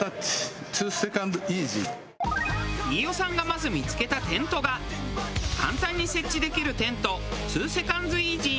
飯尾さんがまず見付けたテントが簡単に設置できるテント２ＳＥＣＯＮＤＳＥＡＳＹ。